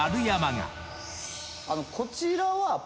こちらは。